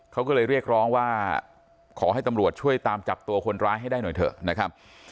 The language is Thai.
เขาก็เลยเรียกร้องว่าขอให้ตำรวจช่วยตามจับตัวคนร้ายให้ได้หน่อยเถอะนะครับ